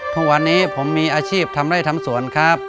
ทุกวันนี้ผมมีอาชีพทำไร่ทำสวนครับ